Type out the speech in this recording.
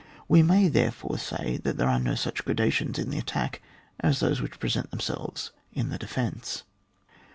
We may, therefore, say that there are no such gradations in the attack as those which present themselves in the defence.